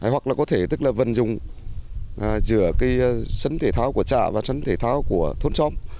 hoặc là có thể tức là vận dụng giữa cái sân thể thao của xã và sân thể thao của thôn xóm